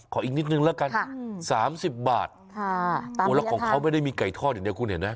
ก็ขออีกนิดนึงละกัน๓๐บาทแต่ของเขาไม่ได้มีไก่ทอดอย่างนี้คุณเห็นนะ